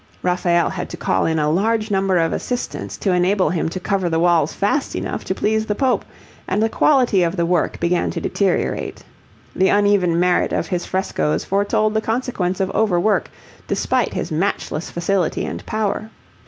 Raphael had to call in a large number of assistants to enable him to cover the walls fast enough to please the Pope, and the quality of the work began to deteriorate. The uneven merit of his frescoes foretold the consequence of overwork despite his matchless facility and power.